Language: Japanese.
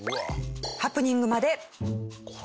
ハプニングまで。